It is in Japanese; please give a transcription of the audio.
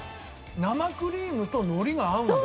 生クリームと海苔が合うんだよ。